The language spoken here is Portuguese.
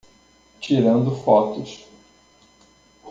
Tirando fotos